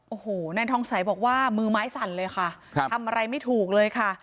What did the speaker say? โอ้โหนายทองสัยบอกว่ามือไม้สั่นเลยค่ะทำอะไรไม่ถูกเลยค่ะ